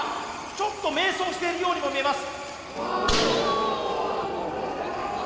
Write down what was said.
ちょっと迷走しているようにも見えます。